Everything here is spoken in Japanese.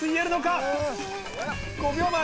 ５秒前。